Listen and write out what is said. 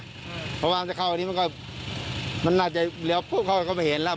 เพราะว่ามันจะเข้าอันนี้มันก็มันน่าจะเลี้ยวปุ๊บเขาก็ไม่เห็นแล้ว